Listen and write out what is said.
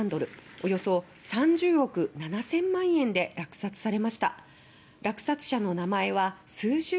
およそ３０億７０００万円で落札されました。